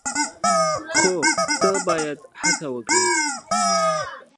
خو ته باید هڅه وکړې !